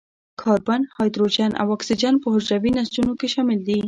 کاربن، هایدروجن او اکسیجن په حجروي نسجونو کې شامل دي.